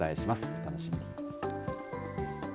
お楽しみに。